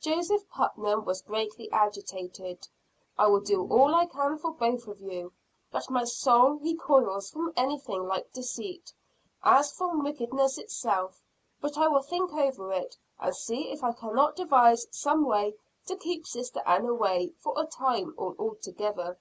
Joseph Putnam was greatly agitated. "I will do all I can for both of you. But my soul recoils from anything like deceit, as from wickedness itself. But I will think over it, and see if I cannot devise some way to keep Sister Ann away, for a time or altogether."